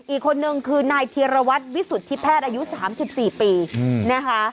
อีกคนนึงคือนายธีรวัตรวิสุทธิแพทย์อายุ๓๔ปีนะคะ